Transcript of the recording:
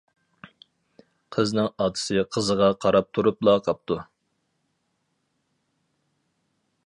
قىزنىڭ ئاتىسى قىزىغا قاراپ تۇرۇپلا قاپتۇ.